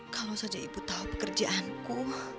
kalau saja ibu tahu pekerjaanku